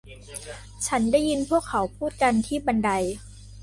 ฉันได้ยินพวกเขาพูดกันที่บันได